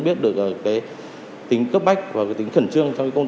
bằng các hình thức